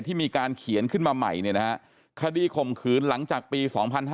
ที่มีการเขียนขึ้นมาใหม่คดีข่มขืนหลังจากปี๒๕๕๙